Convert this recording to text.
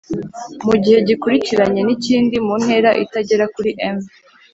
mugihe gikurikiranye n’ikindi muntera itagera kuri m